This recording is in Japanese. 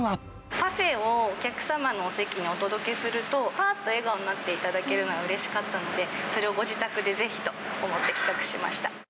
パフェをお客様のお席にお届けすると、ぱっと笑顔になっていただけるのはうれしかったので、それをご自宅でぜひと思って企画しました。